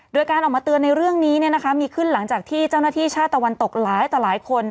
โดยการออกมาเตือนในเรื่องนี้มีขึ้นหลังจากที่เจ้าหน้าที่ชาติตะวันตกหลายต่อหลายคน